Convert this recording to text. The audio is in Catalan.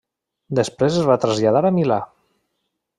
Després es va traslladar a Milà.